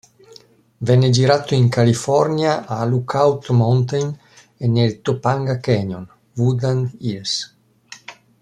Venne girato in California a Lookout Mountain e nel Topanga Canyon, Woodland Hills.